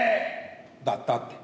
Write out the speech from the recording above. だったって。